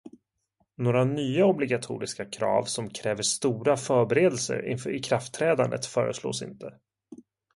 Några nya obligatoriska krav som kräver stora förberedelser inför ikraftträdandet föreslås inte.